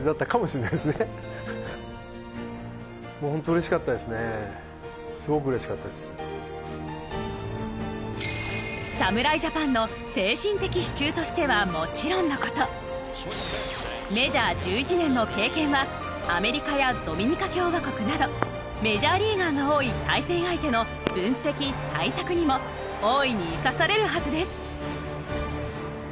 まあでも侍ジャパンの精神的支柱としてはもちろんの事メジャー１１年の経験はアメリカやドミニカ共和国などメジャーリーガーが多い対戦相手の分析対策にも大いに生かされるはずです。